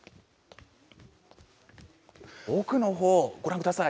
奥の方ご覧ください。